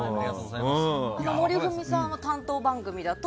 森富美さんは担当番組だと。